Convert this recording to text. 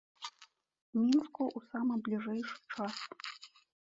Мінску ў самы бліжэйшы час.